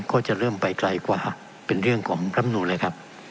ก็จะเริ่มไปไกลกว่าเป็นเรื่องของรำนูนเลยครับ